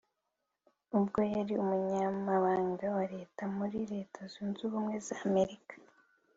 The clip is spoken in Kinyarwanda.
ubwo yari Umunyamabanga wa Leta muri Leta Zunze Ubumwe za Amerika